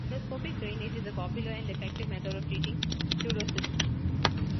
Endoscopic drainage is a popular and effective method of treating pseudocysts.